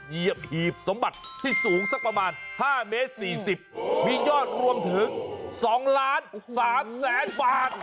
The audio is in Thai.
เหยียบหีบสมบัติที่สูงสักประมาณ๕เมตร๔๐มียอดรวมถึง๒ล้าน๓แสนบาท